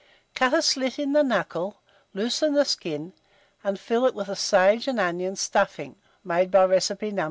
Cut a slit in the knuckle, loosen the skin, and fill it with a sage and onion stuffing, made by Recipe No.